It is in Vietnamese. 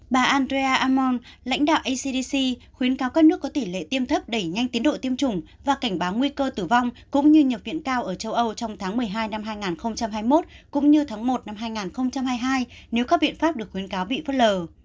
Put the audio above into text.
bà andrea ammon lãnh đạo acdc khuyến cáo các nước có tỷ lệ tiêm thấp đẩy nhanh tiến độ tiêm chủng và cảnh báo nguy cơ tử vong cũng như nhập viện cao ở châu âu trong tháng một mươi hai năm hai nghìn hai mươi một cũng như tháng một năm hai nghìn hai mươi hai nếu các biện pháp được khuyến cáo bị phất lờ